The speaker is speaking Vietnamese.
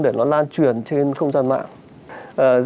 để nó lan truyền trên không gian mạng